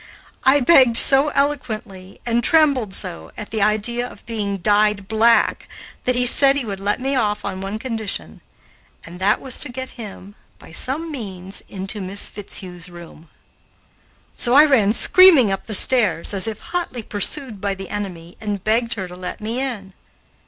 I begged so eloquently and trembled so at the idea of being dyed black, that he said he would let me off on one condition, and that was to get him, by some means, into Miss Fitzhugh's room. So I ran screaming up the stairs, as if hotly pursued by the enemy, and begged her to let me in.